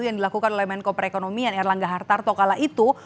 yang dilakukan oleh menko perekonomian erlangga hartarto kala itu